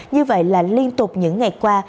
như vậy là liên tục những ngày qua